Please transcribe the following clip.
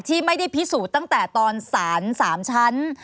ที่ไม่ได้พิสูจน์ตั้งแต่ตอนสาร๓ชั้น